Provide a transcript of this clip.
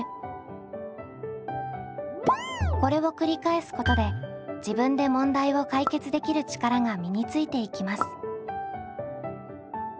これを繰り返すことで自分で問題を解決できる力が身についていきます。